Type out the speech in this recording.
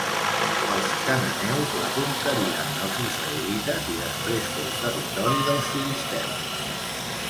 Els cananeus la conqueriren als israelites i després fou territori dels filisteus.